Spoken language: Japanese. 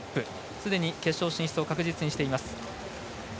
すでに決勝進出を確実にしています。